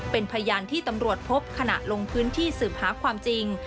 เป็นพยานที่ตำรวจพบขณะลงพื้นที่สืบหาความจริง